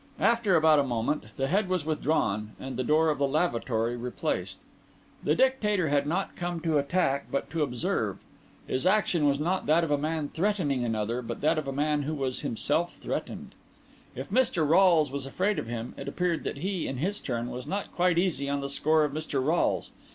After about a moment, the head was withdrawn and the door of the lavatory replaced. The Dictator had not come to attack, but to observe; his action was not that of a man threatening another, but that of a man who was himself threatened; if Mr. Rolles was afraid of him, it appeared that he, in his turn, was not quite easy on the score of Mr. Rolles.